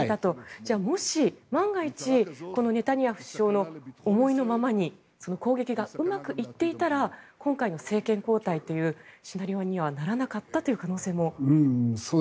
じゃあもし、万が一ネタニヤフ首相の思いのままに攻撃がうまくいっていたら今回の政権交代というシナリオにはならなかったという可能性も？